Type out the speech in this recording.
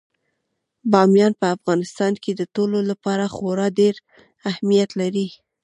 بامیان په افغانستان کې د ټولو لپاره خورا ډېر اهمیت لري.